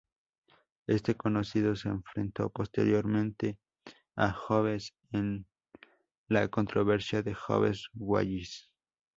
Este conocido se enfrentó posteriormente a Hobbes en la controversia de Hobbes-Wallis.